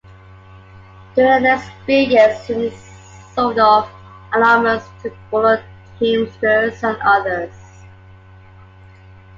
During the next few years Williams sold off allotments to bullock teamsters and others.